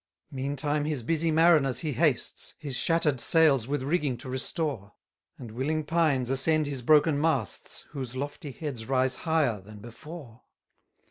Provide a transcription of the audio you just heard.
65 Meantime his busy mariners he hastes, His shatter'd sails with rigging to restore; And willing pines ascend his broken masts, Whose lofty heads rise higher than before.